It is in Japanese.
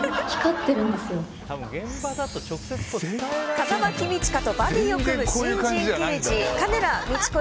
風間公親とバディを組む新人刑事鐘羅路子